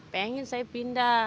pengen saya pindah